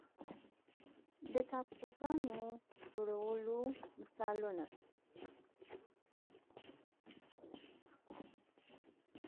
د تابوګانو جوړولو مثالونه